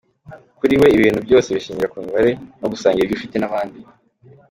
Kuri we, ibintu byose bishingira ku mibanire no gusangira ibyo ufite n’abandi.